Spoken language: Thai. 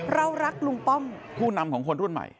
เรารักลุงป้อมผู้นำของคนรุ่นใหม่